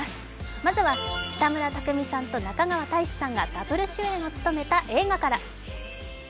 まずは北村匠海さんと中川大志さんがダブル主演を務めた映画から。